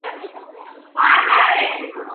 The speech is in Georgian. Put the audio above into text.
კონდიციონერებს, გამათბობლებს ვიბარებ! ჯართს ვიბარებ!